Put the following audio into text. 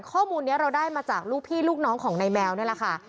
ข้อมูลนี้เราได้มาจากลูกพี่ลูกน้องของนายแมวนี่แหละค่ะ